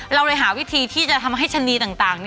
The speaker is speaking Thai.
เราเลยหาวิธีที่จะทำให้ชะนีต่าง